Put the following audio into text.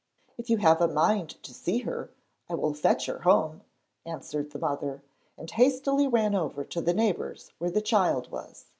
'If you have a mind to see her, I will fetch her home,' answered the mother, and hastily ran over to the neighbour's where the child was.